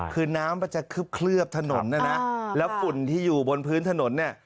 คือน้ำมันจะเคลือบถนนนะนะแล้วฝุ่นที่อยู่บนพื้นถนนเนี่ย